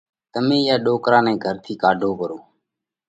تمي اِيئا ڏوڪرا نئہ گھر ٿِي ڪاڍو پرو۔